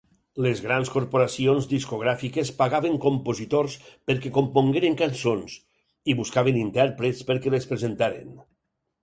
Les grans corporacions discogràfiques pagaven compositors perquè compongueren cançons i buscaven intèrprets perquè les presentaren.